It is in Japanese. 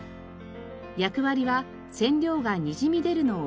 役割は染料がにじみ出るのを防ぐ事。